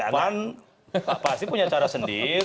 pan pasti punya cara sendiri